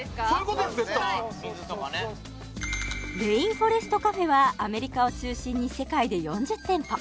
フォレストカフェはアメリカを中心に世界で４０店舗